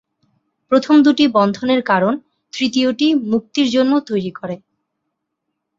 প্রথম দুটি বন্ধনের কারণ; তৃতীয়টি মুক্তির জন্য তৈরি করে।